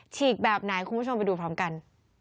ฉีกแบบไหนคุณผู้ชมไปดูพร้อมกัน